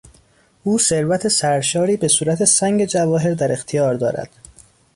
او ثروت سرشاری به صورت سنگ جواهر در اختیار دارد.